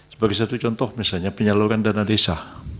sebagai satu contoh misalnya penyaluran dana desa